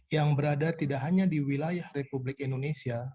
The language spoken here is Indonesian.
yang berada tidak hanya di wilayah republik indonesia